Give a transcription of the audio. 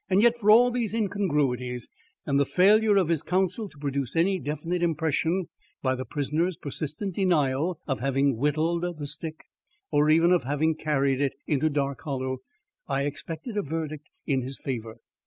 Yet, for all these incongruities and the failure of his counsel to produce any definite impression by the prisoner's persistent denial of having whittled the stick or even of having carried it into Dark Hollow, I expected a verdict in his favour.